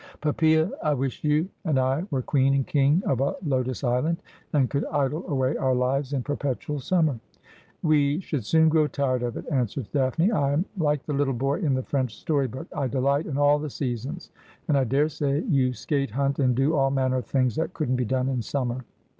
Poppsea, I wish you and I were queen and king of a Lotos Island, and could idle away our lives in perpetual summer.' ' We should soon grow tired of it,' answered Daphne. ' I am like the little boy in the French story book. I delight in all the seasons. And I daresay you skate, hunt, and do all manner of things that couldn't be done in summer.'